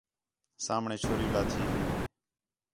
سامھݨے چُھری لاتھی ہی